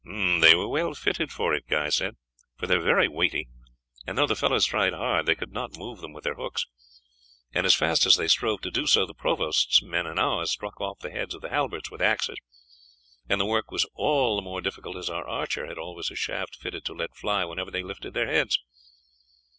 "They were well fitted for it," Guy said, "for they are very weighty; and though the fellows tried hard they could not move them with their hooks, and as fast as they strove to do so the provost's men and ours struck off the heads of the halberts with axes; and the work was all the more difficult as our archer had always a shaft fitted to let fly whenever they lifted their heads."